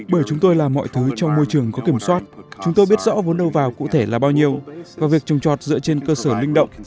bởi chúng tôi làm mọi thứ trong môi trường có kiểm soát chúng tôi biết rõ vốn đầu vào cụ thể là bao nhiêu và việc trồng trọt dựa trên cơ sở linh động